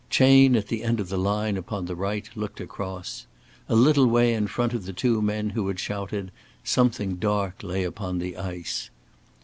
Chayne at the end of the line upon the right looked across. A little way in front of the two men who had shouted something dark lay upon the ice.